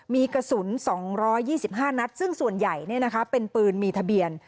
มีกระสุน๒๒๕นัดซึ่งส่วนใหญ่เป็นปืนมีทะเบียน